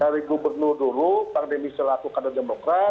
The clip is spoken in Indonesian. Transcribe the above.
dari gubernur dulu bank demi selaku kandang demokrat